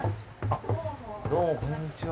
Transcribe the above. どうもこんにちは。